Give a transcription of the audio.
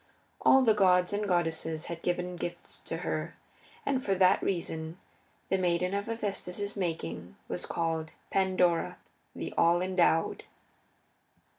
All the gods and goddesses had given gifts to her, and for that reason the maiden of Hephaestus's making was called Pandora, the All endowed.